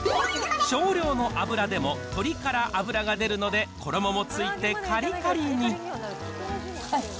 少量の油でも鶏から脂が出るので、衣もついてかりかりに。